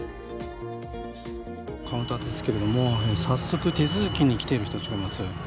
カウンターですけど早速手続きに来ている人たちがいます。